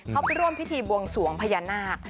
เขาไปร่วมพิธีบวงสวงพญานาค